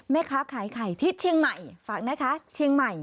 แม่ค้าขายไข่ที่เชียงใหม่ฝากนะคะเชียงใหม่